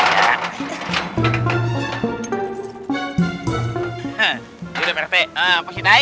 yaudah pak rt pak sitae